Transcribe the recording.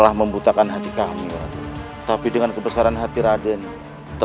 hidup raden kian santang